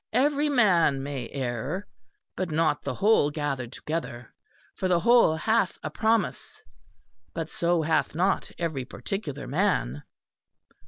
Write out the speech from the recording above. "Every man may err, but not the whole gathered together; for the whole hath a promise, but so hath not every particular man."